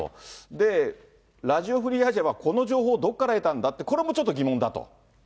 で、ラジオ・フリー・アジアは、この情報をどこから得たんだって、これもちょっと疑問だと。